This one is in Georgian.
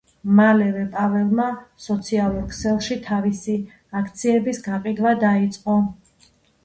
მალევე პაველმა სოციალურ ქსელში თავისი აქციების გაყიდვა დაიწყო.